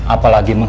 apalagi menurut lo